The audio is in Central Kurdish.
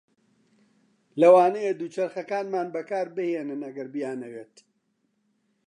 لەوانەیە دووچەرخەکانمان بەکاربهێنن ئەگەر بیانەوێت.